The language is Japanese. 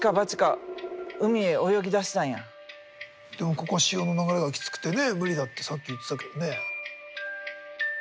でもここは潮の流れがきつくてね無理だってさっき言ってたけどね。